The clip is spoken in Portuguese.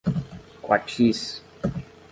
Quatis